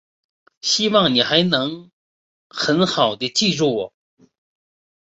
希望你还能很好地记住我。